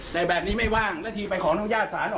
ในแบบนี้ไม่ว่างแล้วทีไปของทุกญาติศาสตร์